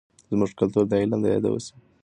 زموږ کلتور د علم د یادو سوي اصولو د تقویت لپاره دی.